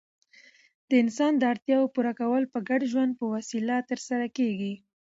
د انسان داړتیاوو پوره کول په ګډ ژوند په وسیله ترسره کيږي.